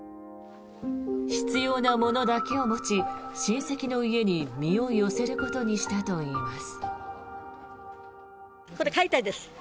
必要なものだけを持ち親戚の家に身を寄せることにしたといいます。